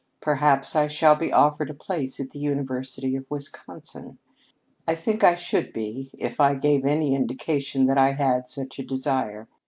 Perhaps I shall be offered a place at the University of Wisconsin. I think I should be if I gave any indication that I had such a desire.